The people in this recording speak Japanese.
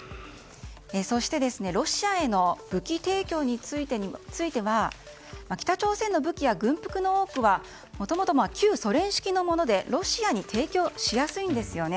そして、ロシアへの武器提供については北朝鮮の武器や軍服の多くはもともと旧ソ連式のものでロシアに提供しやすいんですよね。